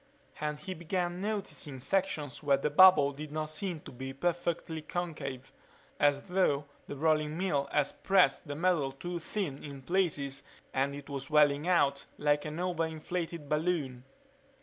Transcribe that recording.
And he began noticing sections where the bubble did not seem to be perfectly concave, as though the rolling mill had pressed the metal too thin in places and it was swelling out like an over inflated balloon.